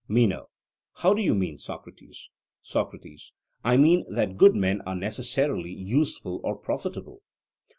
MENO: How do you mean, Socrates? SOCRATES: I mean that good men are necessarily useful or profitable.